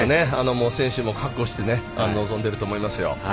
選手も覚悟して臨んでいると思いますよ。